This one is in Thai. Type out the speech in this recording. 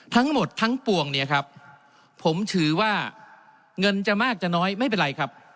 ทั้งหมดทั้งปวงเนี่ยครับผมถือว่าเงินจะมากจะน้อยไม่เป็นไรครับ